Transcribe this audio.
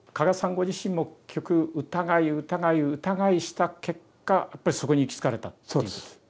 ご自身も結局疑い疑い疑いした結果やっぱりそこに行き着かれたそうです。